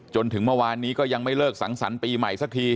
จนถึงเมื่อวานนี้ก็ยังไม่เลิกสังสรรค์ปีใหม่สักที